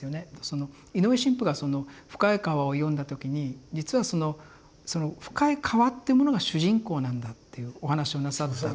その井上神父がその「深い河」を読んだ時に実はその「深い河」っていうものが主人公なんだっていうお話をなさった。